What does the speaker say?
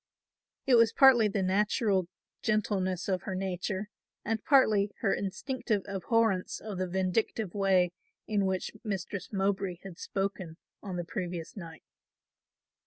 It was partly the natural gentleness of her nature and partly her instinctive abhorrence of the vindictive way in which Mistress Mowbray had spoken on the previous night.